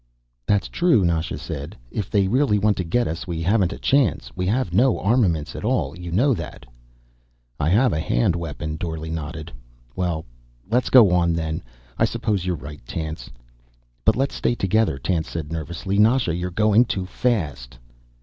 "That's true," Nasha said. "If they really want to get us we haven't a chance. We have no armaments at all; you know that." "I have a hand weapon." Dorle nodded. "Well, let's go on, then. I suppose you're right, Tance." "But let's stay together," Tance said nervously. "Nasha, you're going too fast."